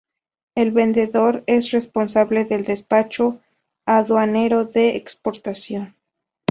El vendedor es responsable del despacho aduanero de exportación.